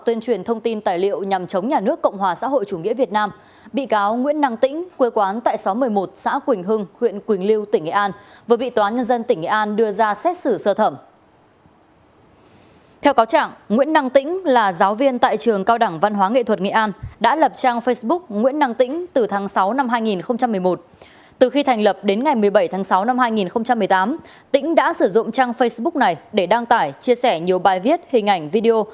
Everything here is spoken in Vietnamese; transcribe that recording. từ khi thành lập đến ngày một mươi bảy tháng sáu năm hai nghìn một mươi tám tỉnh đã sử dụng trang facebook này để đăng tải chia sẻ nhiều bài viết hình ảnh video